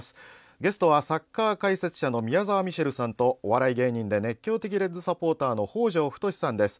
ゲストは、サッカー解説者の宮澤ミシェルさんとお笑い芸人で熱狂的レッズサポーターの北条ふとしさんです。